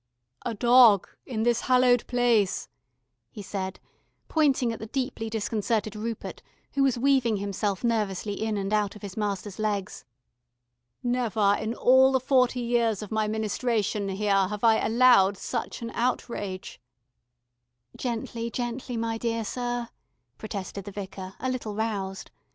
"A dog in this hallowed place," he said, pointing at the deeply disconcerted Rupert who was weaving himself nervously in and out of his master's legs. "Never in all the forty years of my ministration here have I allowed such an outrage " "Gently, gently, my dear sir," protested the Vicar, a little roused.